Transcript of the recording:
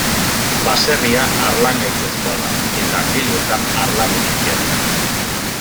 Baserria harlangaitzezkoa da eta angeluetan harlandu txikiak ditu.